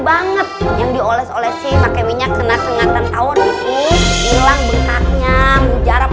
banget yang dioles olesi pakai minyak kena kesengatan tahun itu ilang bengkaknya mujarah